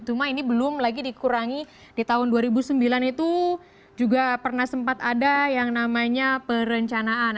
cuma ini belum lagi dikurangi di tahun dua ribu sembilan itu juga pernah sempat ada yang namanya perencanaan